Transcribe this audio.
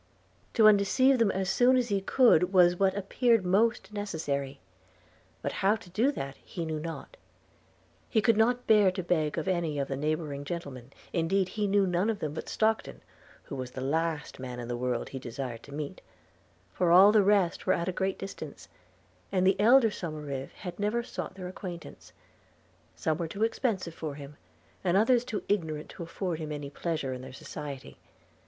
To undeceive them as soon as he could was what appeared most necessary; but how to do that he knew not. He could not bear to beg of any of the neighbouring gentlemen – indeed he knew none of them but Stockton (who was the last man in the world he desired to meet), for all the rest were at a great distance, and the elder Somerive had never sought their acquaintance: some were too expensive for him, and others too ignorant to afford him any pleasure in their society.